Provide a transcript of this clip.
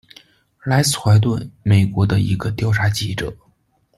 莱斯·怀顿，美国的一个调查记者。